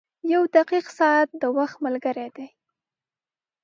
• یو دقیق ساعت د وخت ملګری دی.